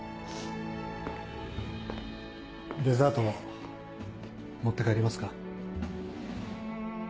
デザート持って帰りますか？